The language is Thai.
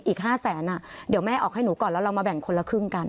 อีก๕แสนเดี๋ยวแม่ออกให้หนูก่อนแล้วเรามาแบ่งคนละครึ่งกัน